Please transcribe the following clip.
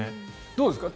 どうですか。